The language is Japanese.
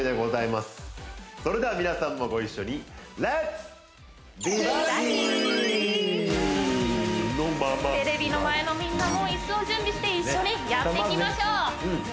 それでは皆さんもご一緒にのまま座るテレビの前のみんなもイスを準備して一緒にやっていきましょう